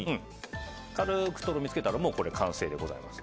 軽くとろみをつけたら完成でございます。